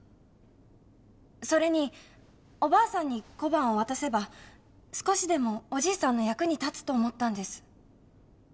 それにおばあさんに小判を渡せば少しでもおじいさんの役に立つと思ったんです。